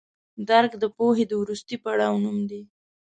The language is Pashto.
درک د پوهې د وروستي پړاو نوم دی.